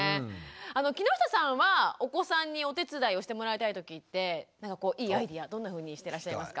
木下さんはお子さんにお手伝いをしてもらいたいときっていいアイデアどんなふうにしてらっしゃいますか？